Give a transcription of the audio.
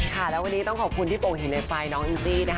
เนี่ยค่ะแล้ววันนี้ต้องขอบคุณที่โป่งหินในฝ่ายน้องอินจีน